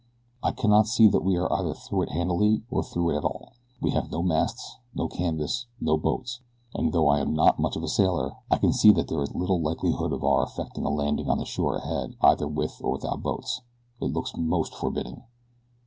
"I cannot see that we are either through it handily or through it at all. We have no masts, no canvas, no boats; and though I am not much of a sailor, I can see that there is little likelihood of our effecting a landing on the shore ahead either with or without boats it looks most forbidding.